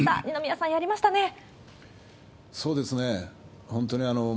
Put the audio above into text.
二宮さん、やりましたね。